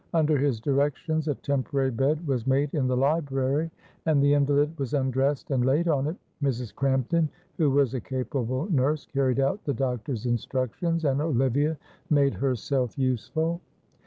Under his directions, a temporary bed was made in the library, and the invalid was undressed and laid on it. Mrs. Crampton, who was a capable nurse, carried out the doctor's instructions, and Olivia made herself useful.